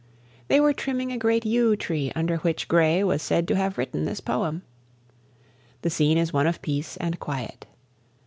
They were trimming a great yew tree under which Gray was said to have written this poem. The scene is one of peace and quiet.